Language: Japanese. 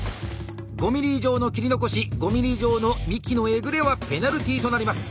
５ｍｍ以上の切り残し５ｍｍ以上の幹のえぐれはペナルティとなります。